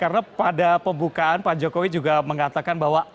karena pada pembukaan pak jokowi juga mengatakan bahwa